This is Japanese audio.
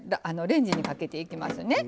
レンジにかけていきますね。